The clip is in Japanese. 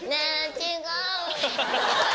違う！